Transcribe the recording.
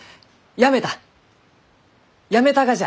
やめたがじゃ！